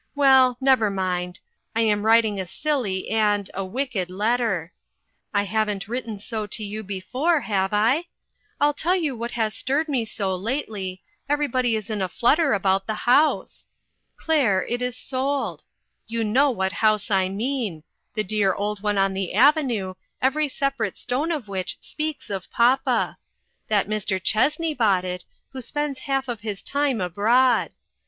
Well, never mind. I am writing a silly and, a wicked letter. I haven't written so to you before, have I ? I'll tell you what has stirred me so, lately , everybody is in a flutter about the house. Claire, it is sold. You know what house I mean; the dear old one on the avenue, every separate stone of which speaks of papa. That Mr. Chessney bought it, who spends half of his time abroad.